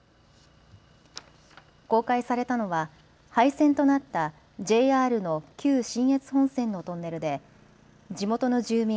公開されたのは廃線となったＪＲの旧信越本線のトンネルで地元の住民